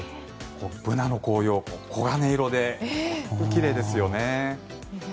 ブナの紅葉黄金色で本当に奇麗ですよね。